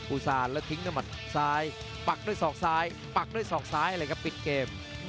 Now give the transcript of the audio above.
อุสานแล้วทิ้งด้วยหมัดซ้ายปักด้วยศอกซ้ายปักด้วยศอกซ้ายเลยครับปิดเกม